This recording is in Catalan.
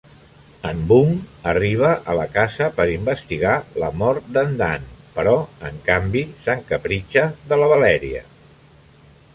En Bung arriba a la casa per investigar la mort d'en Dann, però, en canvi, s'encapritxa de la Valeria.